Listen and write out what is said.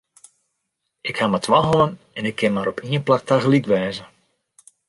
Ik haw mar twa hannen en ik kin mar op ien plak tagelyk wêze.